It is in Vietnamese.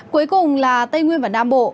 cuối cùng là tây nguyên và nam bộ